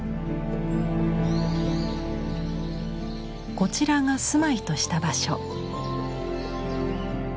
こちらが住まいとした場所。